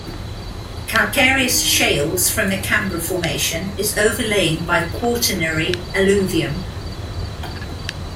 Calcareous shales from the Canberra Formation is overlain by Quaternary alluvium.